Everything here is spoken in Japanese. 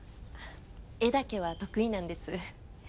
絵だけは得意なんです。